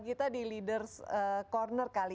kita di leaders corner kali